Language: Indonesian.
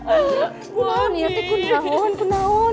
aduh jangan nangis aku naun